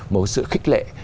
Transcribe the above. một sự khích lệ